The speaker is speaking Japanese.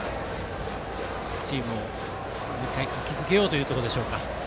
チームも、もう一回活気付けようというところでしょうか。